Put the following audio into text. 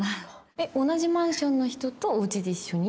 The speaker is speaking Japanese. え同じマンションの人とおうちで一緒に？